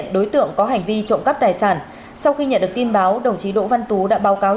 đối tượng có hành vi trộm cắp tài sản sau khi nhận được tin báo đồng chí đỗ văn tú đã báo cáo